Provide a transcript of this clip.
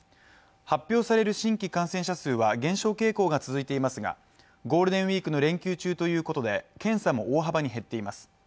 発表される新規感染者数は減少傾向が続いていますがゴールデンウイークの連休中ということで検査も大幅に減っています。